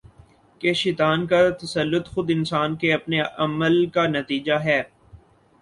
کہ شیطان کا تسلط خود انسان کے اپنے عمل کا نتیجہ ہے